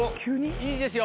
いいですよ。